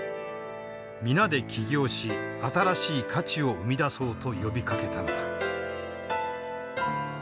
皆で起業し新しい価値を生み出そうと呼びかけたのだ。